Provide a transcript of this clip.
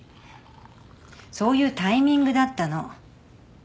そういうタイミングだったの。